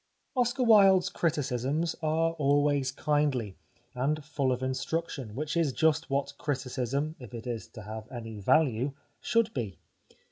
Oscar Wilde's criticisms are always kindly, and full of instruction, which is just what criti cism, if it is to have any value, should be.